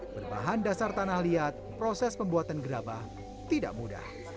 berbahan dasar tanah liat proses pembuatan gerabah tidak mudah